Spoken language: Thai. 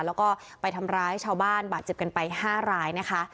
แล้วก็ไปทำร้ายชาวบ้านบาดเจ็บกันไป๕รายนะคะ